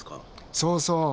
そうそう。